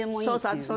そうそう。